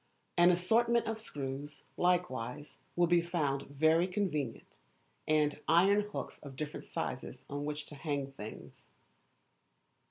An assortment of screws, likewise, will be found very convenient, and iron hooks of different sizes on which to hang things.